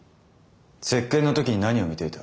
接見の時に何を見ていた？